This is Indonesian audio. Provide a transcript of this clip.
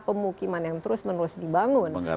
pemukiman yang terus menerus dibangun